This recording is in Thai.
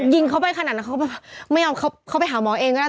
ยิงเขาไปขนาดนั้นเขาไปหาหมอเองก็ได้